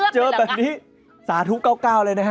เจอแบบนี้สาธุ๙๙เลยนะฮะ